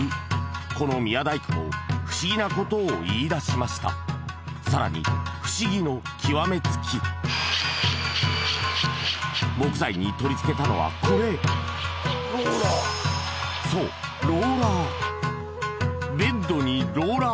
この宮大工も不思議なことを言いだしましたさらに不思議の極め付き木材に取り付けたのはこれそうベッドにローラー